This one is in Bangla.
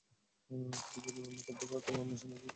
তবে যদি অনুমোদন করেন তবে আপনার সন্তানকে কিছু নিয়মরীতি বেধে দিন।